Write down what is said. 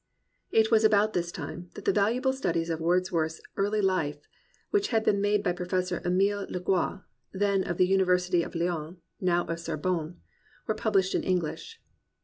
It was about this time that the valuable studies of Wordsworth's early Hfe which had been made by Professor Emile Legouis, (then of the University of Lyons, now of the Sorbonne,) were published in English.